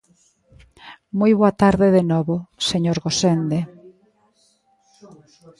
Moi boa tarde de novo, señor Gosende.